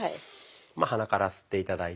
鼻から吸って頂いて。